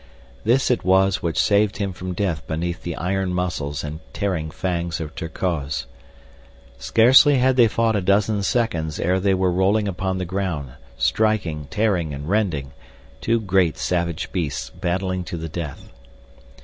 This it was which saved him from death beneath the iron muscles and tearing fangs of Terkoz. Scarcely had they fought a dozen seconds ere they were rolling upon the ground, striking, tearing and rending—two great savage beasts battling to the death.